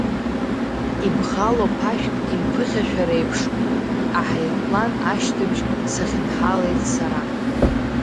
Ибӷало ԥашәк имԥыхьашәар еиԥш, аҳаирплан ашьҭыбжь сахьнҳалеит сара.